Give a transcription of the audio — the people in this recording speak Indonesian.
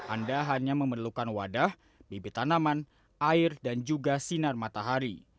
anda hanya memerlukan wadah bibit tanaman air dan juga sinar matahari